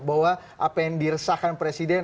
bahwa apa yang diresahkan presiden